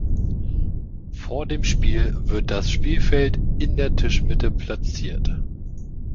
Vor dem Spiel wird das Spielfeld in der Tischmitte platziert.